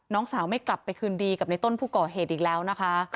น้องสาวไม่กลับไปคืนดีกับในต้นผู้ก่อเหตุอีกแล้วนะคะ